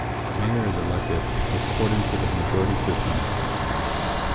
The mayor is elected according to the majority system.